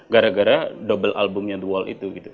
gara gara double albumnya the wall itu gitu